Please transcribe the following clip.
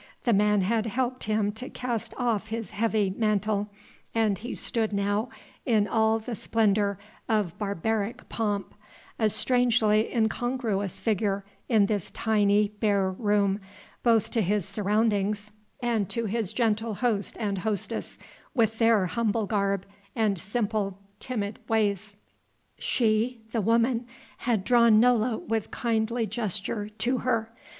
The man had helped him to cast off his heavy mantle, and he stood now in all the splendour of barbaric pomp, a strangely incongruous figure in this tiny bare room, both to his surroundings and to his gentle host and hostess with their humble garb and simple, timid ways. She the woman had drawn Nola with kindly gesture to her.